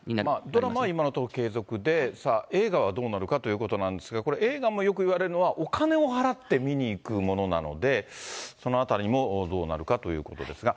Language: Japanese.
ドラマは今のところ継続で、映画はどうなるかということなんですが、これ、映画もよくいわれるのは、お金を払って見に行くものなので、そのあたりもどうなるかということですが。